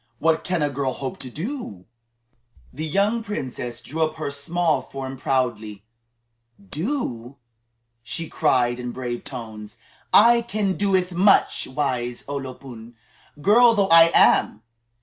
What can a girl hope to do?" The young princess drew up her small form proudly. "Do?" she cried in brave tones; "I can do much, wise O lo pun, girl though I am!